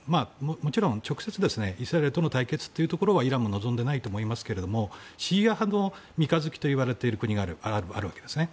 もちろん直接、イスラエルとの対決はイランも望んでいないと思いますがシーア派の三日月といわれている国があるわけですね。